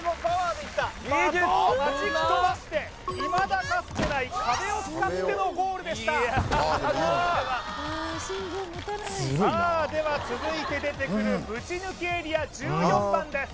的をはじき飛ばしていまだかつてない壁を使ってのゴールでしたさあでは続いて出てくるぶち抜きエリア１４番です